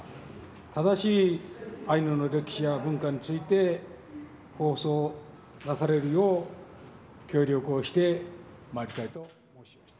正しいアイヌの歴史や文化について、放送なされるよう協力をしてまいりたいと。